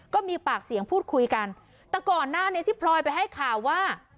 ก็มีปากเสียงพูดคุยกันแต่ก่อนหน้านี้ที่พลอยไปให้ข่าวว่า